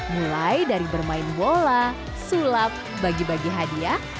mulai dari bermain bola sulap bagi bagi hadiah